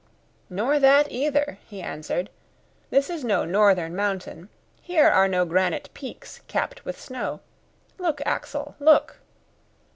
"Nor that either," he answered. "This is no northern mountain; here are no granite peaks capped with snow. Look, Axel, look!"